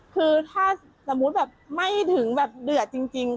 คือถ้าสมมุติแบบไม่ถึงแบบเดือดจริง